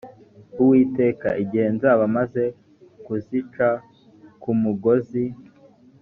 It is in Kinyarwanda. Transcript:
uwiteka igihe nzaba maze kuzica ku mugozi